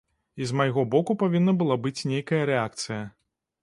І з майго боку павінна была быць нейкая рэакцыя.